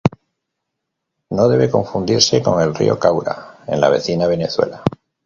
No debe confundirse con el Río Caura en la vecina Venezuela.